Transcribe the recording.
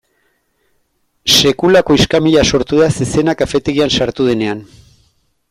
Sekulako iskanbila sortu da zezena kafetegian sartu denean.